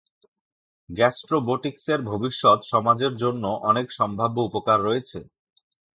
গ্যাসট্রোবোটিক্সের ভবিষ্যৎ সমাজের জন্য অনেক সম্ভাব্য উপকার রয়েছে।